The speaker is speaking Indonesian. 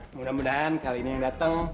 semoga semoga kali ini yang datang